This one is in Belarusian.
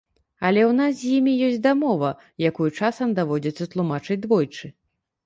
Але ў нас з імі ёсць дамова, якую часам даводзіцца тлумачыць двойчы.